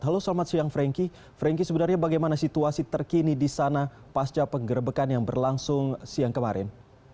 halo selamat siang frankie frankie sebenarnya bagaimana situasi terkini di sana pasca penggerbekan yang berlangsung siang kemarin